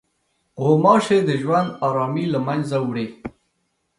غوماشې د ژوند ارامي له منځه وړي.